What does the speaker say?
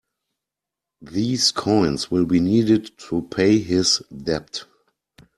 These coins will be needed to pay his debt.